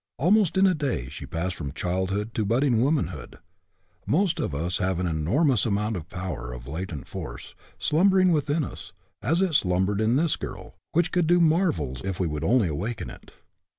Almost in a day she passed from childhood to budding womanhood. Most of us have an enormous amount of power, of latent force, slumbering within us, as it slumbered in this girl, which could do marvels if we would only awaken it.